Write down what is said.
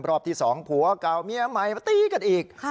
รอบที่๒ผัวเก่าเมียใหม่มาตีกันอีก